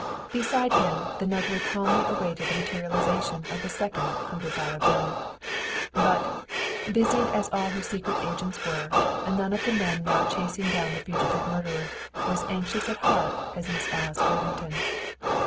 Beside him, the notary calmly awaited the materialization of the second hundred dollar bill. But, busied as all her secret agents were, none of the men now chasing down the fugitive murderer were as anxious at heart as Miss Alice Worthington.